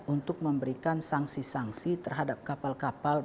untuk memberikan sanksi sanksi terhadap kapal kapal